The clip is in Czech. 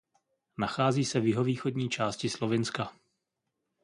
Nachází se v jihovýchodní části Slovinska.